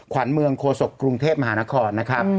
ขวัญเมืองโคศกกรุงเทพมหานครนะครับ